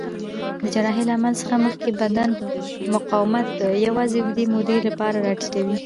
د جراحۍ له عمل څخه مخکې بدن مقاومت د یوې اوږدې مودې لپاره راټیټوي.